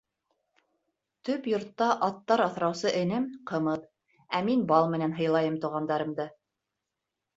Төп йортта аттар аҫраусы энем — ҡымыҙ, ә мин бал менән һыйлайым туғандарымды.